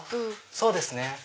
そうですね。